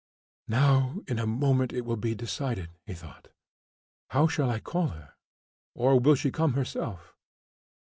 "Now, in a moment it will be decided," he thought. "How shall I call her? Or will she come herself?"